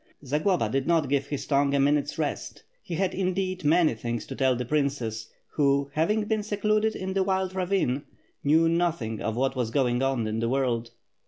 Zagloba did not give his tongue a min ute's rest, he had indeed many things to tell the princess, who, having been secluded in the wild ravine, knew nothing of what was going on in the world.